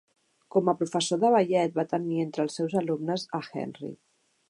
Com a professor de ballet va tenir entre els seus alumnes a Henry.